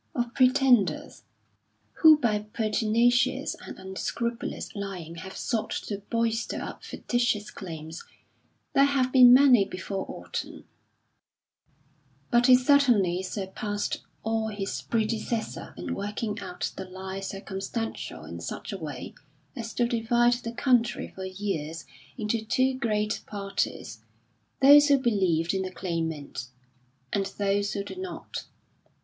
Of pretenders, who by pertinacious and unscrupulous lying have sought to bolster up fictitious claims, there have been many before Orton; but he certainly surpassed all his predecessors in working out the lie circumstantial in such a way as to divide the country for years into two great parties those who believed in the Claimant, and those who did not.